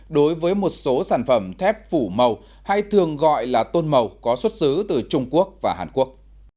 đối với một số sản phẩm thép phủ màu hay thường gọi là tôn màu có xuất xứ từ trung quốc và hàn quốc